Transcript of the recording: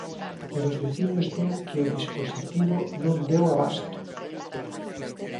Pero os veciños din que o dispositivo non deu a basto.